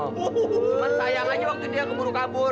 cuma sayang aja waktu dia keburu kabur